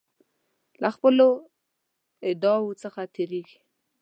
له خپلو ادعاوو څخه تیریږي.